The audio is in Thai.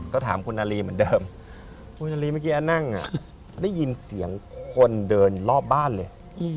ก็ถามคุณนาลีเหมือนเดิมคุณนาลีเมื่อกี้นั่งได้ยินเสียงคนเดินรอบบ้านเลย